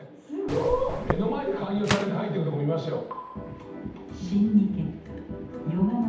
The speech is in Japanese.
目の前で勧誘されて入ってくとこ見ましたよ。